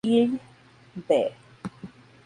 Hill, v.